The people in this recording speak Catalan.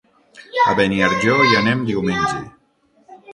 A Beniarjó hi anem diumenge.